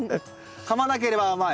かまなければ甘い？